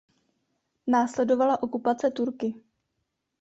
Následovala okupace Turky.